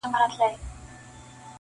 د غوايی په غاړه ولي زنګوله وي -